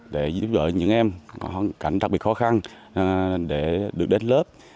để giúp đỡ những em có hoàn cảnh đặc biệt khó khăn để được đến lớp